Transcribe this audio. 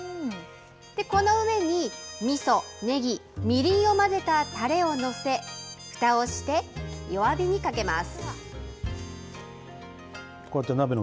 この上に、みそ、ねぎ、みりんを混ぜたたれをのせ、ふたをして弱火にかけます。